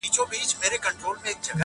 ځکه په راروان بیت کې